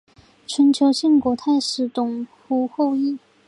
春秋晋国太史董狐后裔。